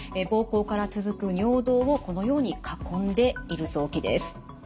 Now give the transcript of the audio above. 膀胱から続く尿道をこのように囲んでいる臓器です。